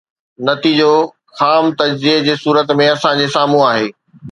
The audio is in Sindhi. نتيجو خام تجزيي جي صورت ۾ اسان جي سامهون آهي.